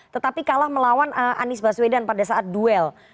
tetapi kalah melawan anies baswedan pada saat duel